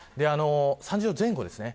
３０度前後です。